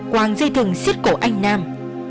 quảng dây thừng xít cổ anh nam